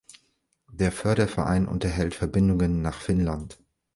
Der Förderverein unterhält Verbindungen nach Finnland.